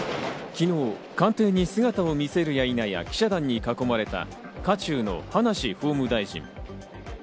昨日、官邸に姿を見せるやいなや、記者団に囲まれた渦中の葉梨法務大臣。